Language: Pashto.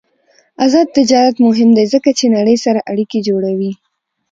آزاد تجارت مهم دی ځکه چې نړۍ سره اړیکې جوړوي.